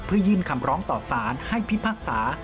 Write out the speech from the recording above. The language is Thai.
เพื่อยื่นคำร้องต่อสารให้พิพากษา